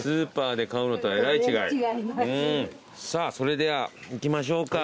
さぁそれでは行きましょうか。